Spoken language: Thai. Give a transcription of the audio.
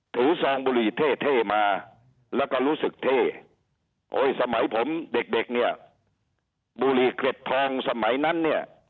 ซองบุหรี่เท่เท่มาแล้วก็รู้สึกเท่โอ้ยสมัยผมเด็กเด็กเนี่ยบุหรี่เกร็ดทองสมัยนั้นเนี่ย